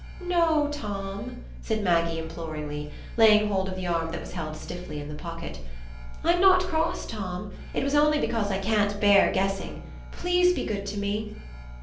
"No, Tom," said Maggie, imploringly, laying hold of the arm that was held stiffly in the pocket. "I'm not cross, Tom; it was only because I can't bear guessing. Please be good to me."